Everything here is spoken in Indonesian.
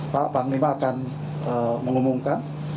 pak panglima akan mengumumkan